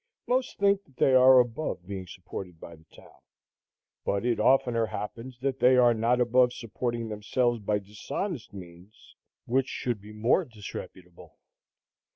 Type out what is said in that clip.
Most think that they are above being supported by the town; but it oftener happens that they are not above supporting themselves by dishonest means, which should be more disreputable.